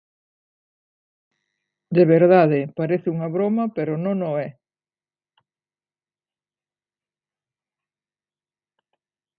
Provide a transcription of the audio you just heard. De verdade, parece unha broma pero non o é.